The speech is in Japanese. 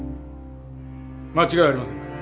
間違いありませんか？